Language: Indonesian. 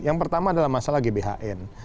yang pertama adalah masalah gbhn